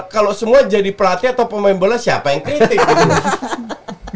kalau semua jadi pelatih atau pemain bola siapa yang kritik gitu loh